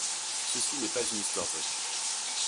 ceci n'est pas une histoire vraie.